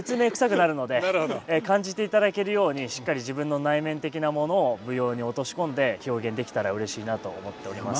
感じていただけるようにしっかり自分の内面的なものを舞踊に落とし込んで表現できたらうれしいなと思っております。